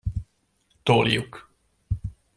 Toljuk.